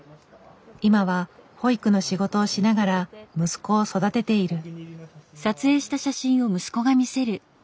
今は保育の仕事をしながら息子を育てている。